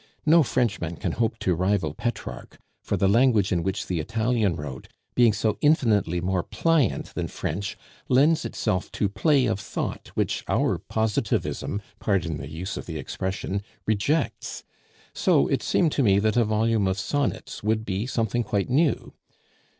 No Frenchman can hope to rival Petrarch; for the language in which the Italian wrote, being so infinitely more pliant than French, lends itself to play of thought which our positivism (pardon the use of the expression) rejects. So it seemed to me that a volume of sonnets would be something quite new.